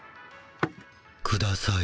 ください。